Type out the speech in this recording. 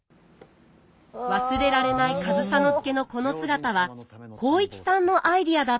忘れられない上総介のこの姿は浩市さんのアイデアだったそうです